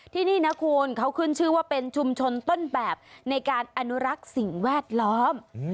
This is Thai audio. ที่นี่นะคุณเขาขึ้นชื่อว่าเป็นชุมชนต้นแบบในการอนุรักษ์สิ่งแวดล้อม